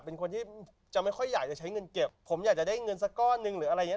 เป็นคนที่จะไม่ค่อยอยากจะใช้เงินเก็บผมอยากจะได้เงินสักก้อนหนึ่งหรืออะไรอย่างเง